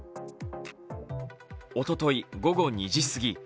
おととい午後２時過ぎ。